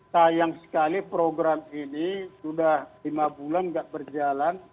sayang sekali program ini sudah lima bulan nggak berjalan